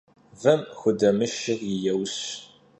Vım xudemışşır yi vêyş.